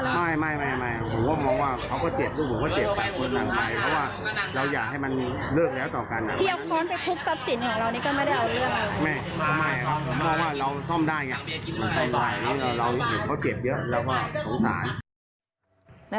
แต่เราก็ไม่ได้เอาเรื่องอะไร